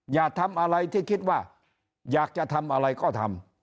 อย่าทำอะไรที่คิดว่าอยากจะทำอะไรก็ทำ